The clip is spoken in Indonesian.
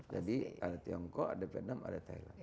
jadi ada tiongkok ada vietnam ada thailand